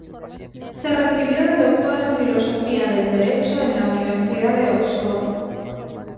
Se recibió de Doctora en Filosofía del Derecho en la Universidad de Oxford.